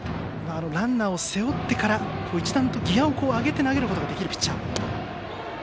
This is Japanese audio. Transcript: ランナーを背負ってから一段とギヤを上げて投げることができるピッチャー。